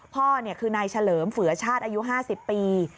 พ่อเนี่ยคือนายเฉลิมเฝือชาติ๕๐ปี